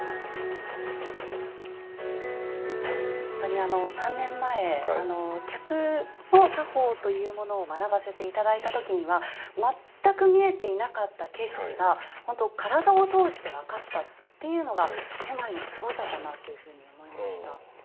本当に３年前客の作法というものを学ばせて頂いた時には全く見えていなかった景色が本当体を通して分かったっていうのが点前のすごさだなというふうに思いました。